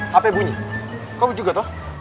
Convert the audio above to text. hape bunyi kau juga tau